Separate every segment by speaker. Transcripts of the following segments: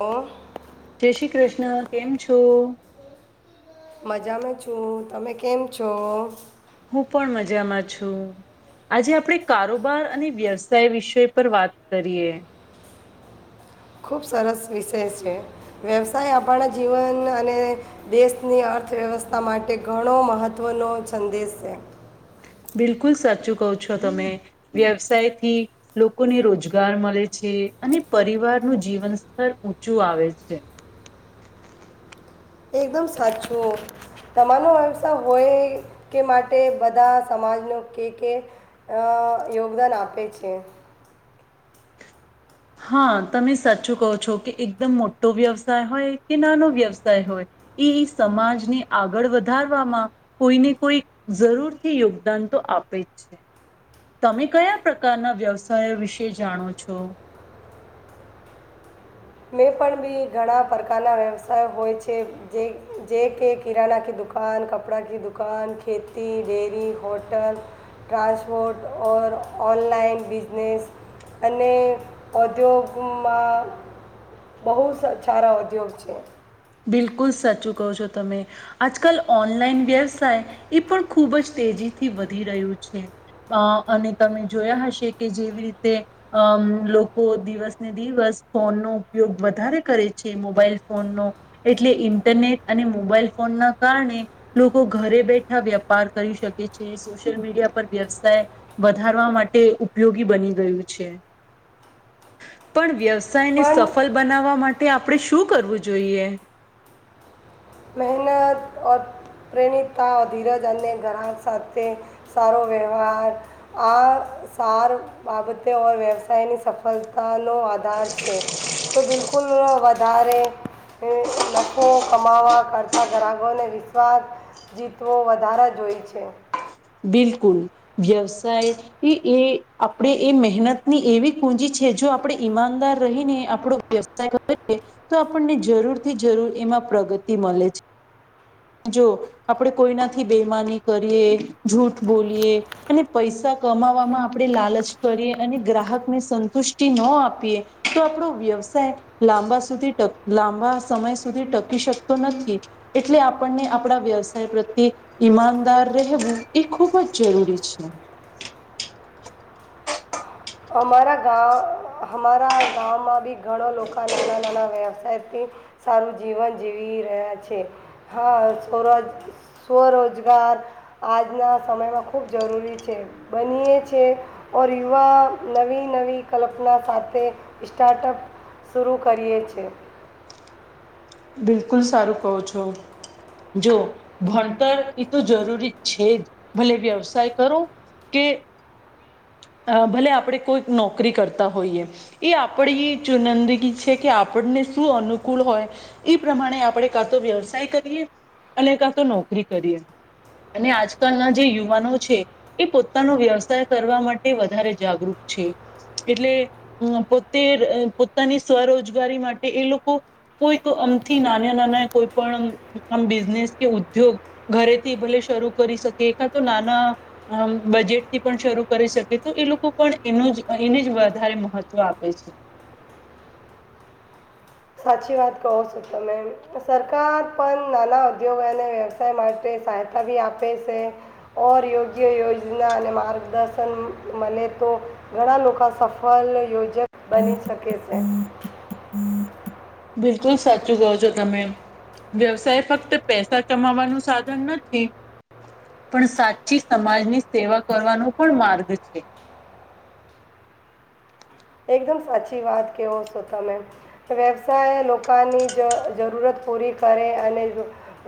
Speaker 1: ઓ
Speaker 2: જય શ્રી કૃષ્ણ કેમ છો
Speaker 1: મજામાં છું. તમે કેમ છો?
Speaker 2: હું પણ મજામાં છું, આજે આપણે કારોબાર અને વ્યવસાય વિષય પર વાત કરીએ.
Speaker 1: ખૂબ સરસ વિષય છે, વ્યવસાય આપણાં જીવન અને દેશની અર્થવ્યવસ્થા માટે ઘણો મહત્ત્વનો સંદેશ છે.
Speaker 2: બિલકુલ સાચું કહો છો, તમે વ્યવસાયથી લોકોને રોજગાર મળે છે અને પરિવારનું જીવન સ્તર ઊંચું આવે છે.
Speaker 1: એકદમ સાચું તમારો વ્યવસાય હોય તે માટે બધા સમાજનું કે કે અ યોગદાન આપે છે.
Speaker 2: હા તમે સાચું કહો છો કે એકદમ મોટો વ્યવસાય હોય કે નાનો વ્યવસાય હોય એ સમાજને આગળ વધારવામાં કોઈને કોઈ જરૂરથી યોગદાન તો આપે જ છે. તમે કયા પ્રકારના વ્યવસાયો વિશે જાણો છો?
Speaker 1: મેં પણ બી ઘણા પ્રકારના વ્યવસાય હોય છે, જે જે કે કિરાણા કી દુકાન, કપડાં કી દુકાન, ખેતી, ડેરી, હોટલ, ટ્રાન્સપોર્ટ ઓર ઓનલાઈન બિઝનેસ અને ઔદ્યો્યોગમાં. બહુ સારા ઉદ્યોગ છે.
Speaker 2: બિલકુલ સાચું કહો છો તમે, આજકાલ ઓનલાઈન વ્યવસાય એ પણ ખૂબ જ તેજીથી વધી રહ્યું છે, અ અને તમે જોયા હશે કે જેવી રીતે અ લોકો દિવસ ને દિવસ ફોનનો ઉપયોગ વધારે કરે છે મોબાઈલ ફોનનો. એટલે ઇન્ટરનેટ અને મોબાઈલ ફોન ના કારણે લોકો ઘરે બેઠા વેપાર કરી શકે છે, સોશિયલ મીડિયા પર વ્યવસાય વધારવા માટે ઉપયોગી બની ગયું છે, પણ વ્યવ સાયને
Speaker 1: પણ
Speaker 2: સફળ બનાવવા મા ટે આપણેે શું કરવું જોઈએ?
Speaker 1: ઓ પ્રેરિતતા ધીરજ અને ઘરા સાથે સારો વ્યવહાર આ સાર બાબતે ઓર વ્યવસાયની સફળતા. નો આધાર છે તો બિલકુલ વાજ વધારે નફો કમાવા કરતા ગ્રાહ ને વિશ્વાસ જીતવો વધારે જોઈ છે.
Speaker 2: બિલકુલ વ્યવસાય એ એ આપણે એ મહેનતની એવી કુંજી છે, જો આપણે ઈમાનદાર રહીને આપણો વ્યવસાય કરીએ તો આપણને જરૂર થી જરૂર એમાં પ્રગતિ મળે છે, જો આપણે કોઈનાથી બેમાની કરીએ. જૂઠ બોલીએ અને પૈસા કમાવામાં આપણે લાલચ કરીએ, અને ગ્રાહકને સંતુષ્ટિ ન આપીએ તો આપણો વ્યવસાય લાંબા સુધી ટક લાંબા સમય સુધી ટકી શકતો નથી એટલે આપણને આપણા વ્યવસાય પ્રત્યે ઈમાનદાર રહેવું. એ ખૂબ જ જરૂરી છે.
Speaker 1: અમારા ગાં હમારા ગામ માંભી. ઘણો લોકો નાના નાના વ્યવસાય. થી સારું જીવન જીવી રહ્યા છે, હા સ્વરોજ સ્વરોજગાર આજના સમયમાં ખૂબ જરૂરી છે બનીએ છે ઓર યુવા. નવી નવી કલ્પના સાથે સ્ટાર્ટઅપ શરૂ કરીએ છે.
Speaker 2: બિલકુલ સારું કહો છો, જો ભણતર એ તો જરૂરી છે જ ભલે વ્યવસાય કરો કે. ભલે આપણે કોઈક નોકરી કરતા હોઈએ એ આપણી ચુનંદગી છે કે આપણને શું અનુકૂળ હોય એ પ્રમાણે આપણે કાં તો વ્યવસાય કરીએ, અને કા તો નોકરી કરીએ અને, આજકાલના જે યુવાનો છે એ પોતાનો વ્યવસાય કરવા મા તે વધારે જાગૃત છે, એટલેમ પોતે પોતાની સ્વરોજગારી માટે એ લોકો કોઈક અમથી નાના નાના કોઈ પણ આમ બિઝનેસ કે ઉદ્યોગ ઘરેથી ભલે શરૂ કરી શકે કા તો નાના બજેટથી પણ શરૂ કરી શ તો એ લોકો પણ એનું જ એને જ વધારે મહત્ત્વ આપે છે.
Speaker 1: સાચી વાત કહો છો તમે સરકાર પણ નાના ઉદ્યોગોને વ્યવસાય માટે સહાયતા બી આપે છે, ઓર યોગ્ય યોજના અને માર્ગદર્શન મળે તો ઘણા લોકો સફળ યોજક બની શકે છે.
Speaker 2: બિલકુલ સાચું કહો છો, તમે વ્યવસાય ફક્ત પૈસા કમાવાનું સાધન નથી પણ સાચી સમાજની સેવા કરવાનો પણ માર્ગ છે.
Speaker 1: એકદમ સાચી વાત કહો છો તમે વ્યવસાય લોકોની જ જરૂરત પૂરી કરે અને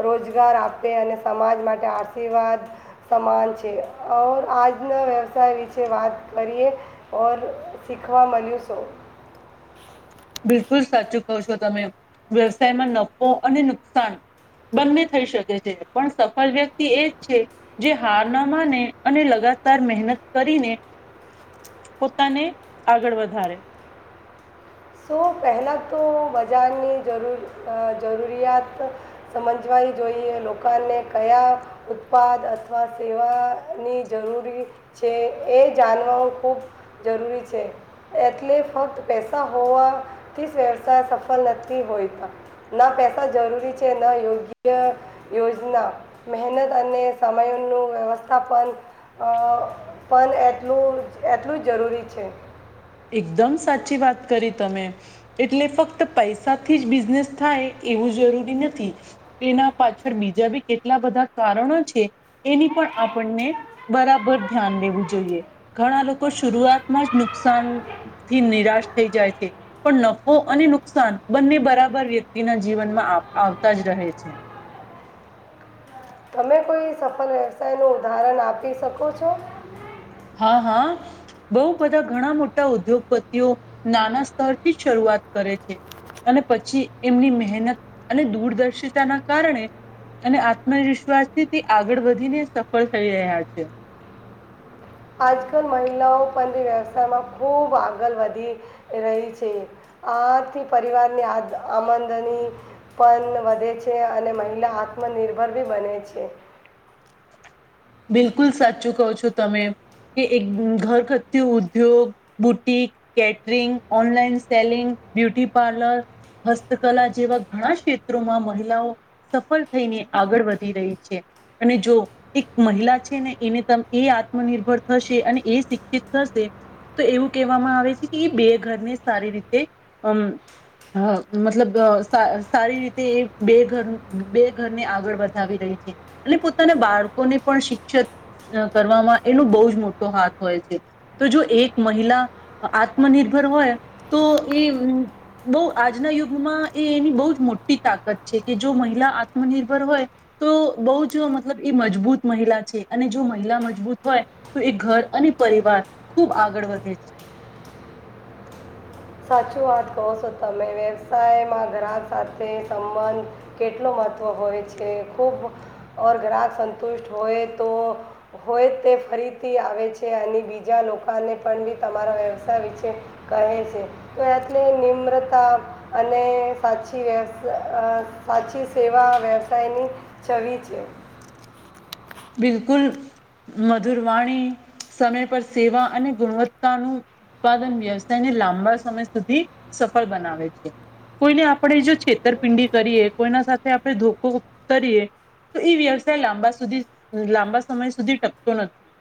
Speaker 1: રોજગાર આપે અને સમાજ માટે આશીર્વાદ સમાન છે, ઓર આજના વ્યવસાય વિશે વાત કરીએ ઓર લીખવા મળન સો.
Speaker 2: બિલકુલ સાચું કહ છો તમે, વ્યવસાયમાં નફો અને નુકસાન બંને થઈ શકે છે પણ સફળ વ્યક્તિ એ જ છે, જે હાર ન માને અને લગાતાર મહેનત કરીને પોતાને આગળ વધારે.
Speaker 1: સો પહેલાં તો બજારની જરૂર જરૂરિયાત સમજવાવી જોઈએ લોકોને કયા ઉત્પાદ અથવા સેવાની જરૂરી છે, એ જાણવા ખૂબ જરૂરી છે એટલે ફક્ત પૈસા હોવા. થી વ્યવસાય સફળ નથી હોયતા ન પૈસા જરૂરી છે, ન યોગ્ય યોજના મહેનત અને સમયનું વ્યવસ્થાપન પણ એટલું એટલું જ જરૂરી છે.
Speaker 2: એકદમ સાચી વાત કરી. તમે એટલે ફક્ત પૈસાથી જ બિઝનેસ થાય એવું જરૂરી નથી એના પાછળ બીજા બી કેટલા બધા કારણો છે, એની પણ આપણને બરાબર ધ્યાન લેવું જોઈએ. ઘણા લોકો શરૂઆતમાં જ નુક સાન થી નિરાશ થઈ જાય છે પણ નફો અને નુકસાન બંને બરાબર વ્યક્તિના જીવનમાં આવતા જ રહે છે.
Speaker 1: ત એ સફળ વ્યવસાયનું ઉદાહરણ આપી શકો છો?
Speaker 2: હા હા બઉ બધા ઘણા મોટા ઉદ્યોગપતિઓ નાના સ્તરથી શરૂઆત કરે છે, અને પછી એમની મહેનત અને દૂરદર્શિતા ના કારણે અને આત્મવિશ્વાસથી આગળ વધીને સફળ થઈ રહ્યા છે.
Speaker 1: આજકાલ મહિલાઓ પણ વ્યવસાયમાં ખૂબ આગળ વધી રહી છે આથી પરિવારની આમદની પણ વધે છે, અને મહિલા આત્મનિર્ભર બી બને છે.
Speaker 2: બિલકુલ સાચું કહો છો તમે કે એક ઘરઘટ્યું ઉદ્યોગ, boutique, catering, online selling, beauty parlour, હસ્તકલા જેવા ઘણા ક્ષેત્રોમાં મહિલાઓ સફળ થઈને આગળ વધી રહી છે, અને જો એ મહિલા છે ને એને ત એ આત્મનિર્ભર થશે અને એ શિક્ષિત થશે તો એવું કહેવામાં આવે છે, કે એ બે ઘરને સારી રીતે અ મતલબ સારી રીતે એ બે ઘર બે ઘરને આગળ વધાવી રહી છે, અને પોતાના બાળકોને. પણ શિક્ષત કરવામાં એનો બહુ જ મોટો હાથ હોય છે, તો જો એક મહિલા આત્મનિર્ભર હોય તો એ બહુ આજના યુગમાં એની બહુ જ મોટી તાકાત છે કે જો મહિલા આત્મનિર્ભર હોય તો બહુ જ મતલબ એ મજબૂત. મહિલા છે અને જો મહિલા મજબૂત હોય તો એ ઘર અને પરિવાર ખૂબ આગળ વધે છે.
Speaker 1: સાચું વાત કહો છો તમે વ્યવસાયમાં ગ્રાહક સાથે સંબંધ કેટલો મહત્ત્વ હોય છે, ખૂબ ઓર ગ્રાહક સંતુષ્ટ હોય તો હોય તે ફરીથી આવે છે અને બીજા લોકોને પણ બી તમારા વ્યવસાય વિશે કહે છે. તો એટલે નિમ્રતા અને સાચી વ્યવ સાચી સેવા વ્યવસાયની છવી છે
Speaker 2: બિલકુલ મધુરવાણી સમય પર સેવા અને ગુણવત્તાનું ઉત્પાદન વ્યવસાયને લાંબા સમય સુધી સફળ બનાવે છે કોઈને આપણે જો છેતરપિંડી કરીએ કોઈના સાથે આપણે ધોકો કરીએ તો એ વ્યવસાય લાંબા સુધી લાંબા સમય સુધી ટકતો નથી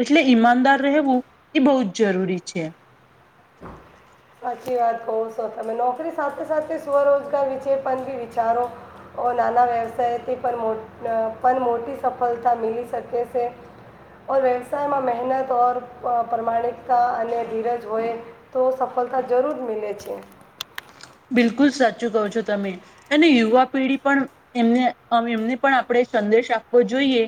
Speaker 2: એટલે ઈમાનદાર રહેવું એ બહુ જ જરૂરી છે
Speaker 1: સાચી વાત કહો છો તમે નોકરી સાથે સાથે સ્વરોજગાર વિશે પણ બી વિચારો નાના વ્યવસાયથી પણ મોટી સફળતા મીલી શકે છે ઓર વ્યવસાયમાં મહેનત ઓર પ્રમાણિકતા અને ધીરજ હોય તો સફળતા જરૂર મીલે છે
Speaker 2: બિલકુલ સાચું કહો છો તમે અને યુવા પેઢી પણ એમને એમને પણ આપણે સંદેશ આપવો જોઈએ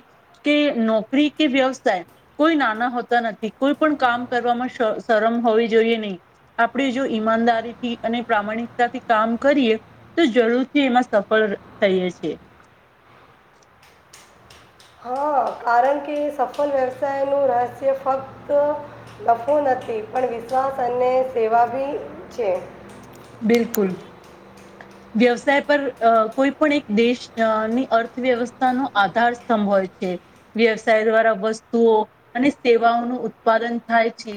Speaker 2: તે નોકરી કે વ્યવસાય કોઈ નાના હોતા નથી કોઈ પણ કામ કરવામાં શરમ હોવી જોઈએ નહી આપણે જો ઈમાનદારીથી અને પ્રામાણિકતાથી કામ કરીએ તો જરૂરથી એમાં સફળ થઈએ છીએ
Speaker 1: હા કારણ કે સફળ વ્યવસાયનું રહસ્ય ફક્ત નફો નથી પણ વિશ્વાસ અને સેવા બી છે
Speaker 2: બિલકુલ વ્યવસાય પર કોઈ પણ એક દેશની અર્થવ્યવસ્થાનો આધાર સ્તંભ હોય છે વ્યવસાય દ્વારા વસ્તુઓ અને સેવાઓનું ઉત્પાદન થાય છે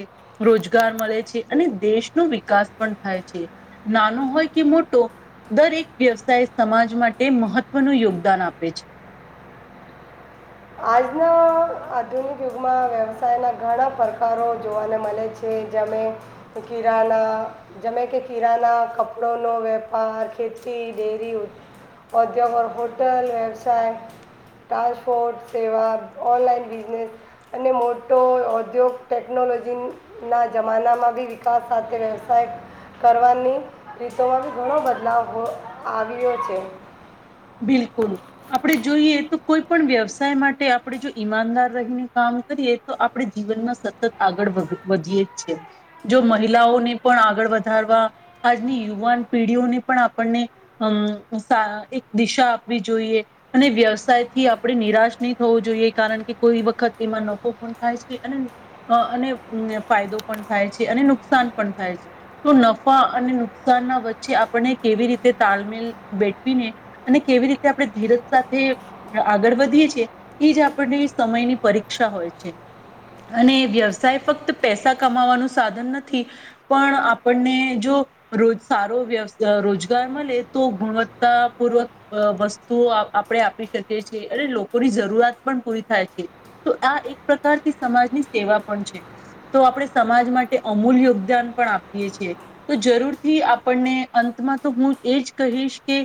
Speaker 2: રોજગાર મળે છે અને દેશનો વિકાસ પણ થાય છે નાનો હોય કે મોટો દરેક વ્યવસાય સમાજ માટે મહત્વનું યોગદાન આપે છે
Speaker 1: આજના આધુનિક યુગમાં વ્યવસાયના ઘણા પ્રકારો જોવાને મળે છે જેમે કિરાના જેમે કે કિરાના કપડોનો વેપાર ખેતી ડેરી ઉદ્યોગ હોટલ વ્યવસાય ટ્રાન્સપોર્ટ સેવા ઓનલાઈન બિઝનેસ અને મોટો ઔદ્યોગ ટેકનોલોજીના જમાનામાં બી વિકાસ સાથે વ્યવસાય કરવાની રીતોમાં બી ઘણો બદલાવ આવ્યે છે
Speaker 2: બિલકુલ આપ આપણે જોઈએ તો કોઈ પણ વ્યવસાય માટે આપણે જો ઈમાનદાર રહીને કામ કરીએ તો આપણે જીવનમાં સતત આગળ વધીયએ જ છે જો મહિલાઓને પણ આગળ વધારવા આજની યુવાન પીઢીઓને પણ આપણને અમ સારી દિશા આપવી જોઈએ અને વ્યવસાયથી આપણે નિરાશ નહીં થવો જોઈએ કારણ કે કોઈ વખત એમાં નફો પણ થાય છે અને અને ફાયદો પણ થાય છે અને નુકસાન પણ થાય છે તો નફા અને નુકસાન ના વચ્ચે આપણને કેવી રીતે તાલમેલ બેઠવીને અને કેવી રીતે આપણે ધીરજ સાથે આગળ વધીએ છીએ એ જ આપણને સમયની પરીક્ષા હોય છે અને વ્યવસાય ફક્ત પૈસા કમાવાનું સાધન નથી પણ આપણને જો રોજ સારો વ્યવસ રોજગાર મળે તો ગુણવત્તાપૂર્વક વસ્તુઓ આપણે આપી શકીએ છીએ અને લોકોની જરૂરિયાત પણ પૂરી થાય છે તો આ એક પ્રકારથી સમાજની સેવા પણ છે તો આપણે સમાજ માટે અમૂલ્ય યોગદાન પણ આપીએ છીએ તો જરૂરથી આપણને અંતમાં તો હું એ જ કહીશ કે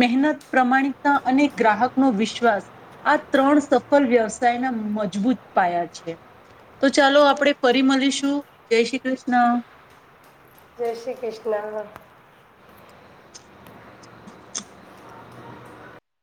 Speaker 2: મહેનત પ્રમાણિકતા અને ગ્રાહકનો વિશ્વાસ આ ત્રણ સફળ વ્યવસાયના મજબૂત પાયા છે તો ચાલો આપણે ફરી મળીશું જય શ્રી કૃષ્ણ
Speaker 1: જય શ્રી કૃષ્ણ